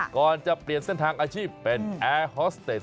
ก่อนจะเปลี่ยนเส้นทางอาชีพเป็นแอร์ฮอสเตส